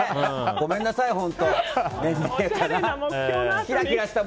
ごめんなさい、本当。